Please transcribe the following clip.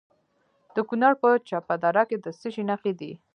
د کونړ په چپه دره کې د څه شي نښې دي؟